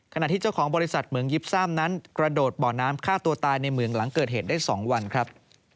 ที่เจ้าของบริษัทเหมืองยิบซ่ามนั้นกระโดดบ่อน้ำฆ่าตัวตายในเมืองหลังเกิดเหตุได้๒วันครับ